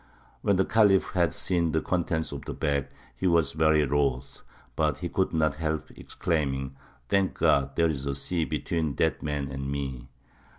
When the Khalif had seen the contents of the bag, he was very wroth; but he could not help exclaiming, "Thank God there is a sea between that man and me!"